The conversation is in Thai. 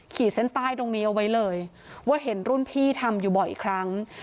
ขีดเส้นใต้ตรงนี้เอาไว้เลยว่าเห็นรุ่นพี่ทำอยู่บ่อยครั้ง